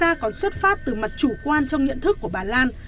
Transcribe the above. ngoài ra còn xuất phát từ mặt chủ quan trong nhận thức của bà lan